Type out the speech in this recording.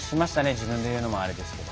自分で言うのもあれですけど。